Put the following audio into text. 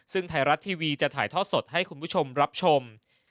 ซึ่งไทยรัฐทีวีจะถ่ายทอดสดให้คุณผู้ชมรับชม